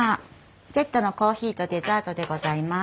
セットのコーヒーとデザートでございます。